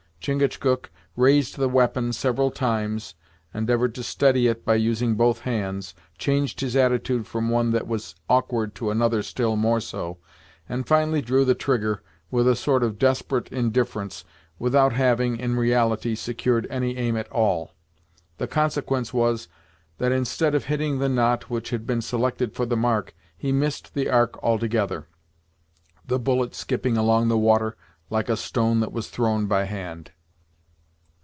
Chingachgook raised the weapon several times, endeavored to steady it by using both hands, changed his attitude from one that was awkward to another still more so, and finally drew the trigger with a sort of desperate indifference, without having, in reality, secured any aim at all. The consequence was, that instead of hitting the knot which had been selected for the mark, he missed the ark altogether; the bullet skipping along the water like a stone that was thrown by hand.